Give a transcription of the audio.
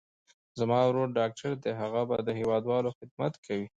زما ورور ډاکټر دي، هغه به د هېوادوالو خدمت کوي.